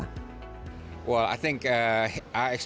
saya harap bahwa bicara bicara obama ini berinspirasi